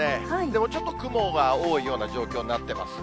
でもちょっと雲が多いような状況になってます。